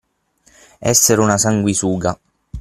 Essere una sanguisuga.